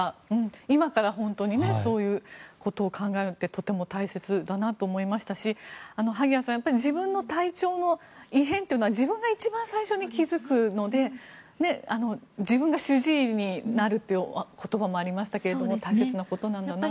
今から本当にそういうことを考えるってとても大切だなと思いましたし萩谷さん自分の体調の異変というのは自分が一番最初に気付くので自分が主治医になるという言葉もありましたけれども大切なことなんだなと。